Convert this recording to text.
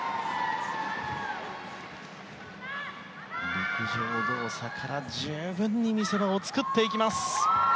陸上動作から十分に見せ場を作っていきます。